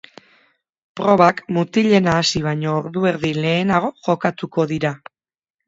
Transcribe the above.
Probak mutilena hasi baino ordu erdi lehenago jokatuko dira.